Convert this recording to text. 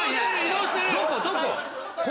どこ？